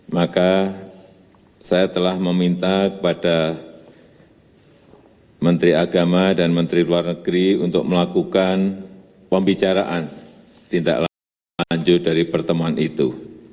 maka saya telah meminta kepada menteri agama dan menteri luar negeri untuk melakukan pembicaraan tindak lanjut dari pertemuan itu